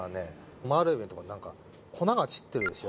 オマール海老のとこに何か粉が散ってるでしょ？